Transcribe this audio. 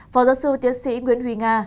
phó giáo sư tiến sĩ nguyễn huy nga